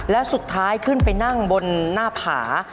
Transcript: แล้วสุดท้ายขึ้นไปนั่งบนหน้าผา